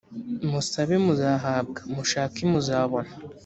musabe muzahabwa mushake muzabona